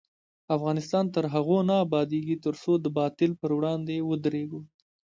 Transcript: افغانستان تر هغو نه ابادیږي، ترڅو د باطل پر وړاندې ودریږو.